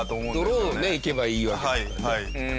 ドローンねいけばいいわけですからね。